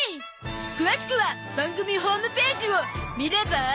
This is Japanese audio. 詳しくは番組ホームページを見れば？